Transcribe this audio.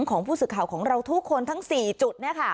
ของผู้สื่อข่าวของเราทุกคนทั้ง๔จุด